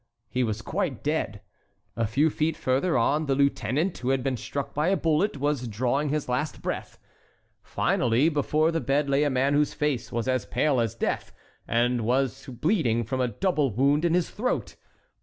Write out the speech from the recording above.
He was quite dead. A few feet further on the lieutenant, who had been struck by a bullet, was drawing his last breath. Finally, before the bed lay a man whose face was as pale as death and who was bleeding from a double wound in his throat.